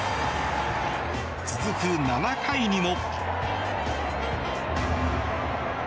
続く７回にも。